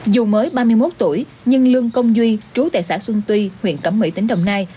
dù mới ba mươi một tuổi nhưng lương công duy trú tại xã xuân tuy huyện cẩm mỹ tỉnh đồng nai